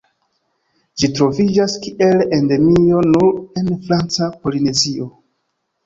Ĝi troviĝas kiel endemio nur en Franca Polinezio.